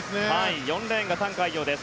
４レーンがタン・カイヨウです。